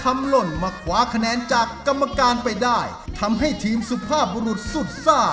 หล่นมาคว้าคะแนนจากกรรมการไปได้ทำให้ทีมสุภาพบุรุษสุดซ่า